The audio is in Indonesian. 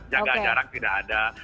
jaga jarak tidak ada